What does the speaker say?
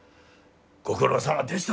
ご苦労さまでした。